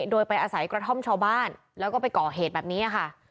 โดยไปอาศัยกระท่อมชาวบ้านแล้วก็ไปก่อเหตุแบบนี้ค่ะ